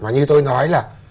như tôi nói là